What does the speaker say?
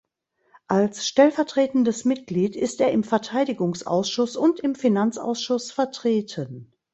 Als stellvertretendes Mitglied ist er im Verteidigungsausschuss und im Finanzausschuss vertreten.